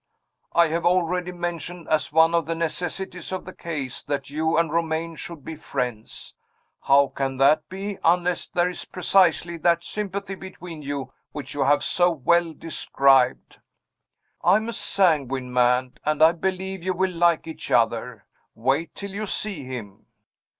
I have already mentioned as one of the necessities of the case that you and Romayne should be friends. How can that be, unless there is precisely that sympathy between you which you have so well described? I am a sanguine man, and I believe you will like each other. Wait till you see him."